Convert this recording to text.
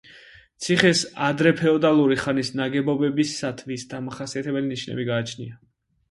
ციხეს ადრეფეოდალური ხანის ნაგებობებისათვის დამახასიათებელი ნიშნები გააჩნია.